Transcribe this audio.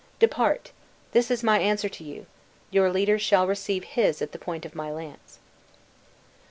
Depart, this is my answer to you; your leader shall receive his at the point of my lance."